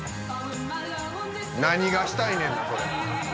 何がしたいねんそれ。